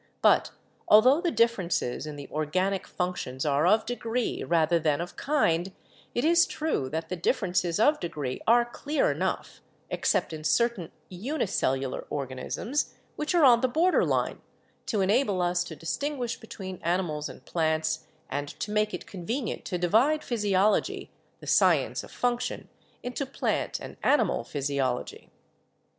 But, altho the differ ences in the organic functions are of degree rather than of kind, it is true that the differences of degree are clear enough, except in certain unicellular organisms which are on the border line, to enable us to distinguish between animals and plants and to make it convenient to divide physiology, the science of function, into plant and animal physiology.